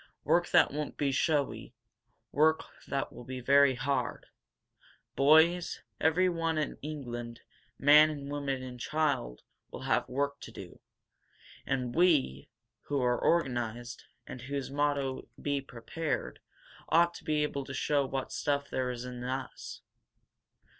Work that won't be showy, work that will be very hard. Boys, everyone in England, man and woman and child will have work to do! And we, who are organized, and whose motto Be Prepared, ought to be able to show what stuff there is in us.